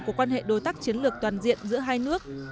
của quan hệ đối tác chiến lược toàn diện giữa hai nước